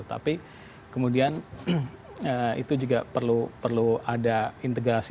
tapi kemudian ee itu juga perlu perlu ada integrasi